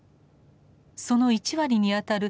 その１割にあたる